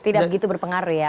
tidak begitu berpengaruh ya